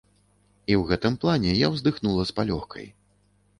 І ў гэтым плане я ўздыхнула з палёгкай.